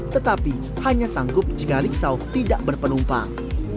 tetapi hanya sanggup jika riksau tidak berpenumpang